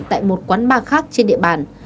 đây là quán ba khác trên địa bàn